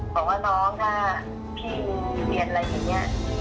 บอกว่าน้องถ้าพี่เรียนอะไรอย่างนี้